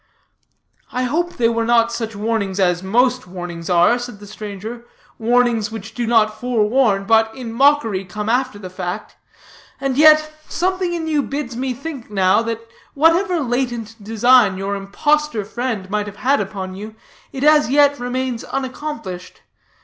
"I hope they were not such warnings as most warnings are," said the stranger; "warnings which do not forewarn, but in mockery come after the fact. And yet something in you bids me think now, that whatever latent design your impostor friend might have had upon you, it as yet remains unaccomplished.